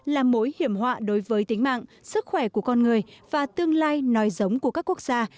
là mối hiểm họa đối với tính mạng sức khỏe của con người và tương lai nói giống của các quốc gia